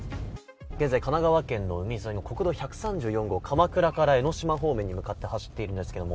現在、神奈川県の海沿いの国道１３４号、鎌倉から江の島方面に向かって走っています。